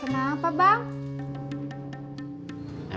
emang belum rejeki kita punya anak